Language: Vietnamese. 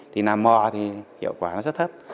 thì làm mò thì hiệu quả nó rất thấp